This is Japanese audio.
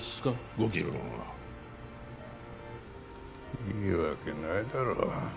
ご気分はいいわけないだろう